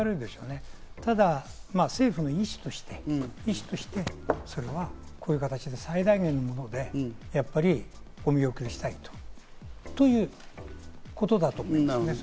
ただ政府の意思として、それはこういう形で最大限の形でお見送りをしたいということだと思います。